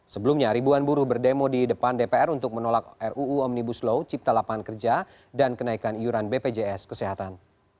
sebelumnya ribuan buruh berdemo di depan dpr untuk menolak ruu omnibus law cipta lapangan kerja dan kenaikan iuran bpjs kesehatan